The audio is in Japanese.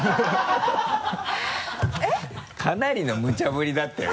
かなりのむちゃ振りだったよ